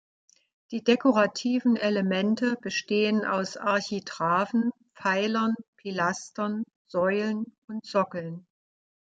Die dekorativen Elemente bestehen aus Architraven, Pfeilern, Pilastern, Säulen und Sockeln.